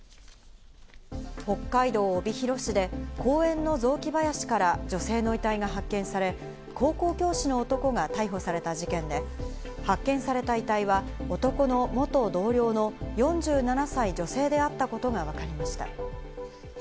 北海道帯広市で公園の雑木林から女性の遺体が発見され、高校教師の男が逮捕された事件で、発見された遺体は男の元同僚の４７歳女性であったことがわかりました。